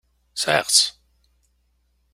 Sɛiɣ-tt.